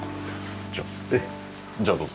じゃあどうぞ。